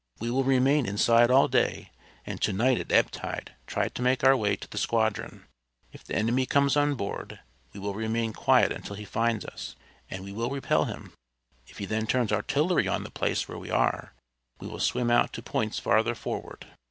We will remain inside all day, and to night at ebb tide try to make our way to the squadron. If the enemy comes on board, we will remain quiet until he finds us, and will repel him. If he then turns artillery on the place where we are, we will swim out to points farther forward."